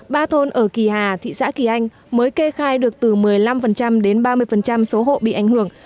ba thôn ở kỳ hà thị xã kỳ anh mới kê khai được từ một mươi năm đến ba mươi số hộ bị ảnh hưởng